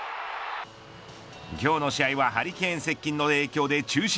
今日の試合はハリケーン接近の影響で中止。